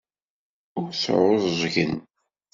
Ur sɛuẓẓgen.